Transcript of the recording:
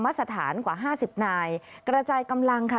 สถานกว่าห้าสิบนายกระจายกำลังค่ะ